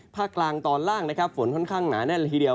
ภาคลางตอนล่างฝนค่อนข้างหนาแน่ละทีเดียว